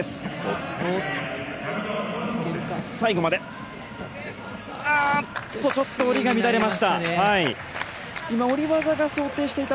あっと、ちょっと下りが乱れました。